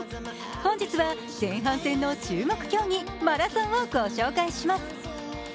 本日は前半戦の注目競技マラソンを御紹介します。